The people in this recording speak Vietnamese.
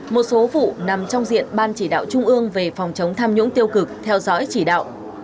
một số vụ nằm trong diện ban chỉ đạo trung ương về phòng chống tham nhũng tiêu cực theo dõi chỉ đạo